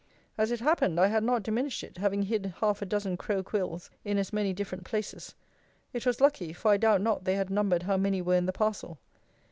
As it happened, I had not diminished it, having hid half a dozen crow quills in as many different places. It was lucky; for I doubt not they had numbered how many were in the parcel.